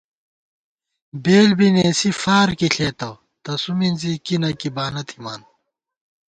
بېل بی نېسی فارکی ݪېتہ تسُو مِنزی کی نہ کی بانہ تھِمان